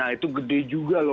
itu gede juga loh